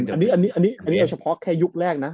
อันนี้เฉพาะแค่ยุคแรกนะ